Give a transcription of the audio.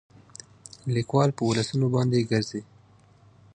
ليکوال په ولسونو باندې ګرځي